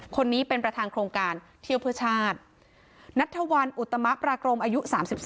คนนี้เป็นประธานโครงการเที่ยวเพื่อชาตินัทธวัลอุตมะปรากรมอายุ๓๒